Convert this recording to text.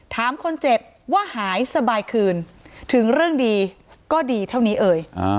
ถามคนเจ็บว่าหายสบายคืนถึงเรื่องดีก็ดีเท่านี้เอ่ย